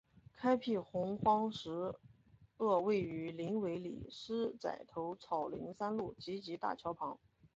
开辟鸿荒石碣位于林尾里狮仔头草岭山路集集大桥旁。